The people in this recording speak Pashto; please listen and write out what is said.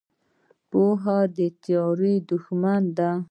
پوهه د تیارو دښمن ده.